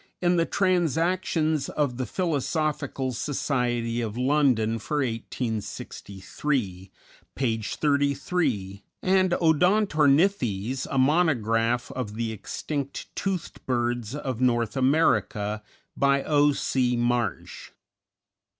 in the "Transactions of the Philosophical Society of London for 1863," page 33, and "Odontornithes, a Monograph of the Extinct Toothed Birds of North America," by O. C. Marsh.